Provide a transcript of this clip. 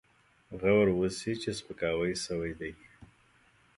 غور وشي چې سپکاوی شوی دی.